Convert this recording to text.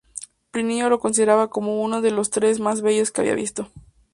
Plinio lo consideraba como uno de los tres más bellos que había visto.